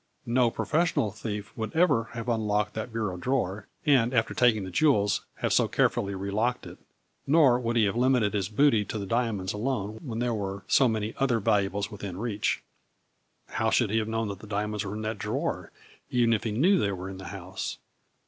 No professional thief would ever have unlocked that bureau drawer, and, after taking the jewels, have so carefully relocked it. Nor would he have limited his booty to the diamonds alone when there were so many other valuables within reach. How should he have known that the diamonds were in that drawer, even if he knew they were in the house